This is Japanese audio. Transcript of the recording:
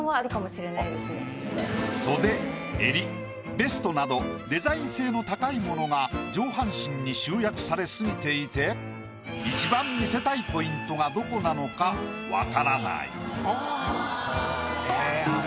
袖襟ベストなどデザイン性の高いものが上半身に集約され過ぎていて一番見せたいポイントがどこなのか分からない。